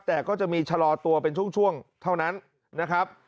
แต่ก็จะมีชะลอตัวเป็นช่วงเท่านั้นนะครับ